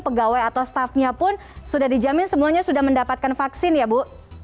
pegawai atau staffnya pun sudah dijamin semuanya sudah mendapatkan vaksin ya bu